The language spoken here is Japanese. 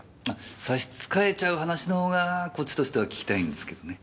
差し支えちゃう話の方がこっちとしては聞きたいんですけどね。